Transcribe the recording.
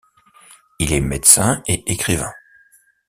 Il est médecin et écrivain.